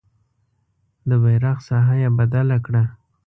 د بیرغ ساحه یې بدله کړه.